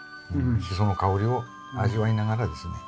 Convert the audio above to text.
シソの香りを味わいながらですね